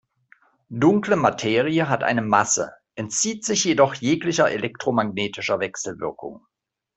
Dunkle Materie hat eine Masse, entzieht sich jedoch jeglicher elektromagnetischer Wechselwirkung.